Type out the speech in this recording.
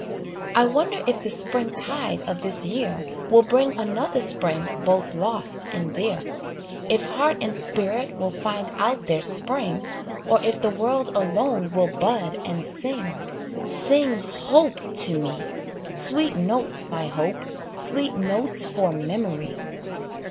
I wonder if the spring tide of this year Will bring another spring both lost and dear; If heart and spirit will find out their spring, Or if the world alone will bud and sing: Sing, hope, to me! Sweet notes, my hope, sweet notes for memory.